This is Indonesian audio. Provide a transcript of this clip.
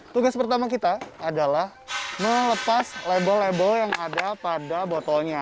tugas pertama kita adalah melepas label label yang ada pada botolnya